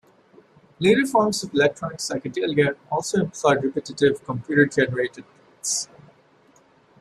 Later forms of electronic psychedelia also employed repetitive computer-generated beats.